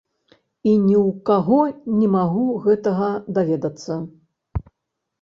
Я ні ў каго не магу гэтага даведацца.